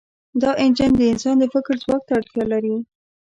دا انجن د انسان د فکر ځواک ته اړتیا لري.